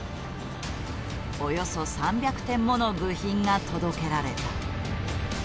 およそ３００点もの部品が届けられた。